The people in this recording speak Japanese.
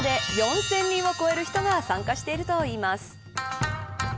これまで４０００人を超える人が参加しているといいます。